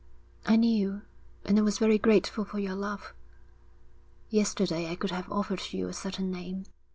'I knew, and I was very grateful for your love.' 'Yesterday I could have offered you a certain name.